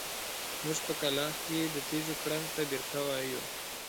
موږ په کلاخ کلي کې د تيږو کړنګ ته بېرکه وايو.